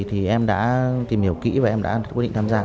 thì em đã tìm hiểu kỹ và em đã quyết định tham gia